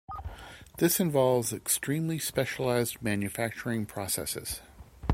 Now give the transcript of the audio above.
This involves extremely specialized manufacturing processes.